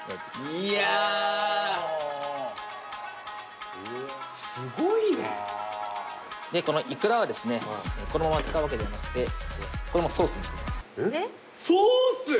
いやあすごいねこのイクラはこのまま使うわけではなくてこれもソースにしていきますソース？